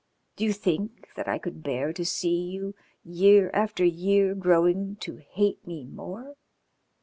Do you think that I could bear to see you year after year growing to hate me more?